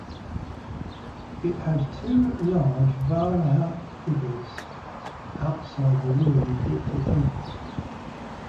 It had two large Varaha figures outside the ruined Gupta temple.